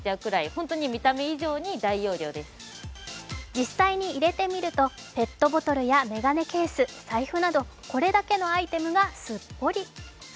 実際に入れてみるとペットボトルや眼鏡ケース、財布など、これだけのアイテムがすっぽり。